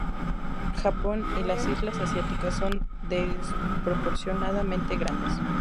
Japón y las islas asiáticas son desproporcionadamente grandes.